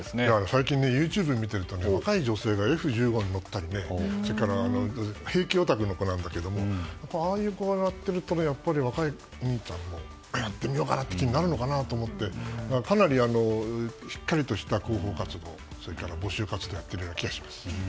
最近、ＹｏｕＴｕｂｅ見てると若い女性がＦ１５に乗ったり兵器オタクの子なんだけどああいうのを見ると若い子もやってみようって気になるのかなと思って、かなりしっかりとした広報活動や募集活動をやっている気がします。